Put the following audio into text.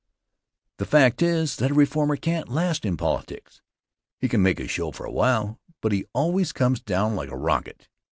The fact is that a reformer can't last in politics. He can make a show for a while, but he always comes down like a rocket.